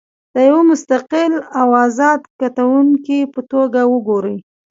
د یوه مستقل او ازاد کتونکي په توګه وګورئ.